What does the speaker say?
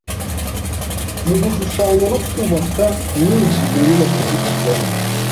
mu gushushanya no kubaka nyinshi mu nyubako z’i Kigali.